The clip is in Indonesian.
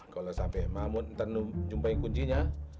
kalo sampe mahmud ntar nungguin kuncinya